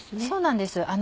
そうなんです。